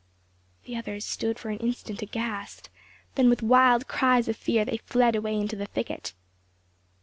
The others stood for an instant aghast, then with wild cries of fear they fled away into the thicket.